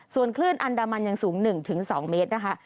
ส่วนคลื่นอันดามันยังสูง๑๒เมตรนะคะ